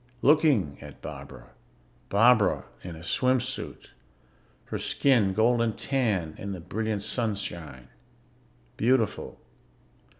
Looking at Barbara Barbara in a swim suit her skin golden tan in the brilliant sunshine, beautiful.